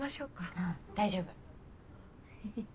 ああ大丈夫。